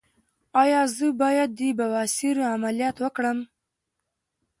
ایا زه باید د بواسیر عملیات وکړم؟